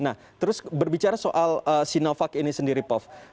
nah terus berbicara soal sinovac ini sendiri prof